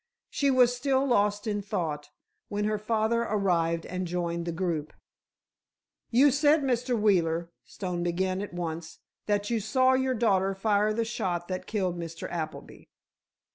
She was still lost in thought, when her father arrived and joined the group. "You said, Mr. Wheeler," Stone began at once, "that you saw your daughter fire the shot that killed Mr. Appleby?"